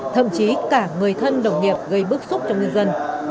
thậm chí cả người thân đồng nghiệp gây bức xúc cho nhân dân